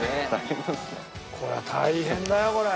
これは大変だよこれ。